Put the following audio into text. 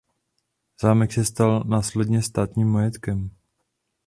Zámek se stal následně státním majetkem.